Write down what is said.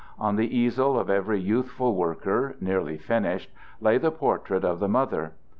On the easel of every youthful worker, nearly finished, lay the portrait of the mother.